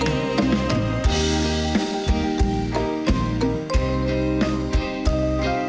เสียงรัก